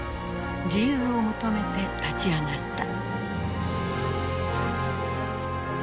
自由を求めて立ち上がった。